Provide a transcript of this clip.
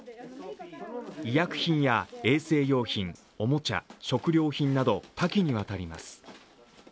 医薬品や衛生用品、おもちゃ、食料品など多岐にわたります。